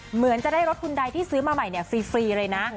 เหมือนจะได้รถคุณใดที่ซื้อมาใหม่ฟรีเลยนะ